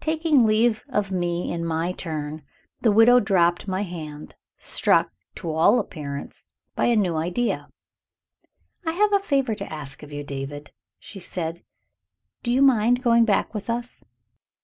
Taking leave of me in my turn, the widow dropped my hand, struck, to all appearance, by a new idea. "I have a favor to ask of you, David," she said. "Do you mind going back with us?"